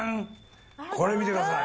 これ見てください